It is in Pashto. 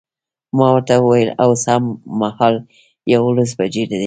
ما ورته وویل اوسمهال یوولس بجې دي.